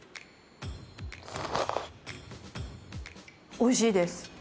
おいしいです。